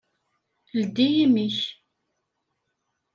Ldi imi-k.